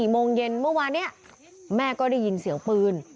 โมงเย็นเมื่อวานนี้แม่ก็ได้ยินเสียงปืน